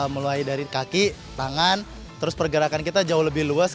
mulai dari kaki tangan terus pergerakan kita jauh lebih luas